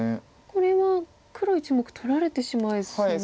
これは黒１目取られてしまいそうですよね。